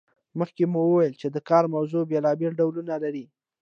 مخکې مو وویل چې د کار موضوع بیلابیل ډولونه لري.